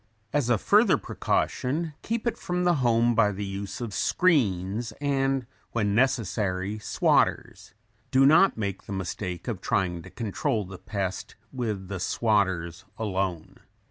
As a further precaution keep it from the home by the use of screens and when necessary "swatters." Do not make the mistake of trying to control the pest with the "swatters" alone.